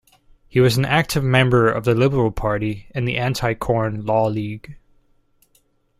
He was an active member of the Liberal Party and the Anti-Corn Law League.